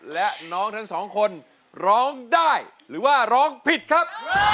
และน้องทั้งสองคนร้องได้หรือว่าร้องผิดครับ